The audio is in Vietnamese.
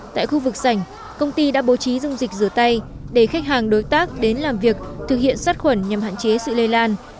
tại khu vực sảnh công ty đã bố trí dung dịch rửa tay để khách hàng đối tác đến làm việc thực hiện sát khuẩn nhằm hạn chế sự lây lan